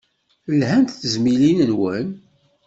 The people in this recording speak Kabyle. Lhant tezmilin-nwen?